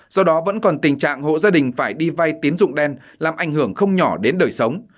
do đó vẫn còn tình trạng hộ gia đình phải đi vay tín dụng đen làm ảnh hưởng không nhỏ đến đời sống